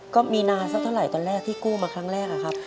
ก็มีนาสักเท่าไหร่ตอนแรกที่กู้มาครั้งแรกอะครับ